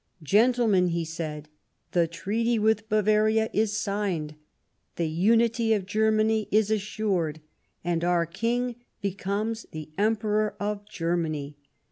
" Gentlemen," he said, " the Treaty with Bavaria is signed ; the unity of Germany is assured, and our King becomes the Emperor of Germany.